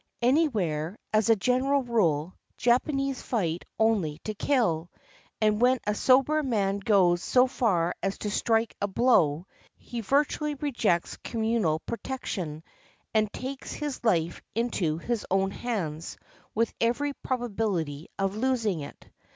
Any where, as a general rule, Japanese fight only to kill; and when a sober man goes so far as to strike a blow, he vir tually rejects communal protection, and takes his life into his own hands with every probability of losing it.